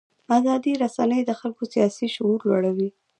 ازادې رسنۍ د خلکو سیاسي شعور لوړوي.